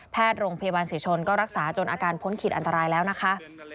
โรงพยาบาลศรีชนก็รักษาจนอาการพ้นขีดอันตรายแล้วนะคะ